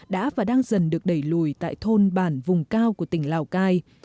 đã và đang dần được đẩy lùi tại thôn bản vùng cao của tỉnh lào cai